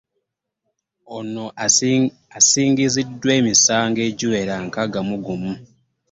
Ono asingisiddwa emisango egiwera nkaaga mu gumu